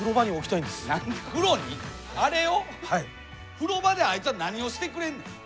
風呂場であいつは何をしてくれんねん？